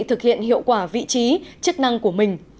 thực hiện hiệu quả vị trí chức năng của mình